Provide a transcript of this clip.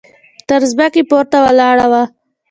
تر ځمکې پورته ولاړه وه.